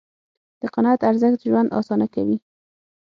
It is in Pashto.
د قناعت ارزښت ژوند آسانه کوي.